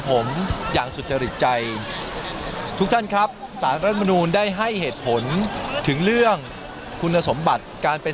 หวงอย่างสุดใจทุกที่ครับฟายภาพโน้นได้ให้เหตุผลถึงเรื่องคุณสมบัติการเป็น